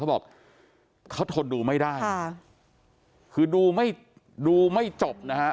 เขาบอกเขาทนดูไม่ได้ค่ะคือดูไม่ดูไม่จบนะฮะ